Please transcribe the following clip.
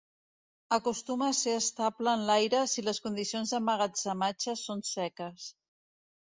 Acostuma a ser estable en l'aire si les condicions d’emmagatzematge són seques.